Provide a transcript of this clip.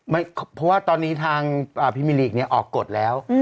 ไม่พอว่าตอนนี้ทางพิมีลีกนี้ออกกฎแล้ว